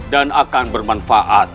dan akan bermanfaat